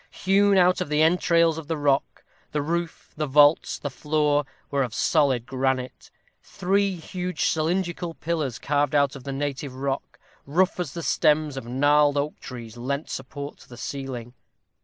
Hewn out of the entrails of the rock, the roof, the vaults, the floor, were of solid granite. Three huge cylindrical pillars, carved out of the native rock, rough as the stems of gnarled oak trees, lent support to the ceiling.